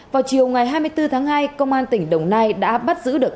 vào chiều ngày hai mươi bốn tháng hai công an tỉnh đồng nai đã bắt giữ được